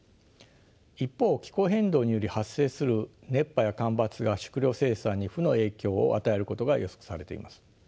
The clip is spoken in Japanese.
一方気候変動により発生する熱波や干ばつが食糧生産に負の影響を与えることが予測されています。